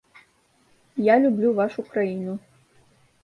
Я люблю вашу краіну.